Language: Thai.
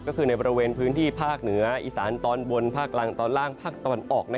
ก็คือในบริเวณพื้นที่ภาคเหนืออีสานตอนบนภาคกลางตอนล่างภาคตะวันออก